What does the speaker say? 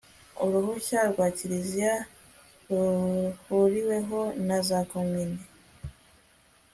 uruhushya rwa kiliziya ruhuriweho na za komine